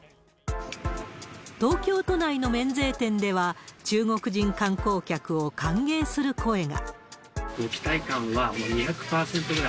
東京都内の免税店では、中国人観光客を歓迎する声が。